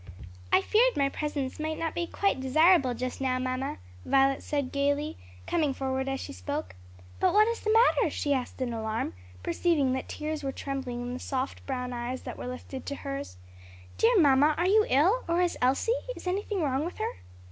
"I feared my presence might not be quite desirable just now, mamma," Violet said gayly, coming forward as she spoke. "But what is the matter?" she asked in alarm, perceiving that tears were trembling in the soft brown eyes that were lifted to hers. "Dear mamma, are you ill? or is Elsie? is anything wrong with her?"